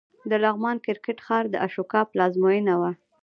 د لغمان کرکټ ښار د اشوکا پلازمېنه وه